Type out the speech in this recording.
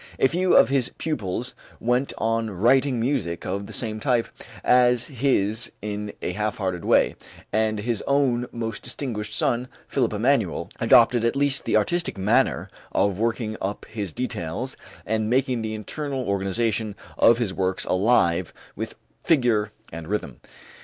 A few of his pupils went on writing music of the same type as his in a half hearted way, and his own most distinguished son, Philipp Emanuel, adopted at least the artistic manner of working up his details and making the internal organization of his works alive with figure and rhythm.